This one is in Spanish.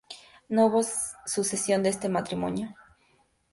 No hubo sucesión de este matrimonio.